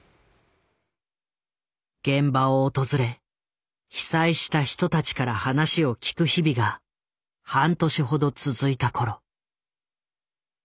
現場を訪れ被災した人たちから話を聞く日々が半年ほど続いた頃。